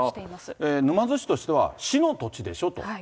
だから沼津市としては市の土地でしょと。